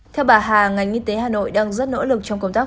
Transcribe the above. theo bà hà ngành y tế hà nội đang rất nỗ lực trong công tác